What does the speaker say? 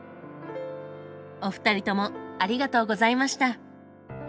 お二人ともありがとうございました。